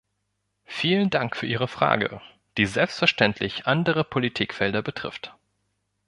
Vielen Dank für Ihre Frage, die selbstverständlich andere Politikfelder betrifft.